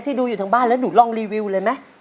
ดูอยู่ทางบ้านแล้วหนูลองรีวิวเลยไหม